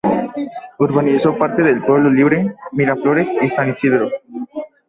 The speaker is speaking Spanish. Urbanizó parte de Pueblo Libre, Miraflores y San Isidro.